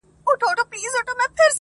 • ولي مي هره شېبه، هر ساعت پر اور کړوې.